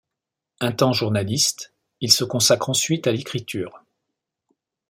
Un temps journaliste, il se consacre ensuite à l'écriture.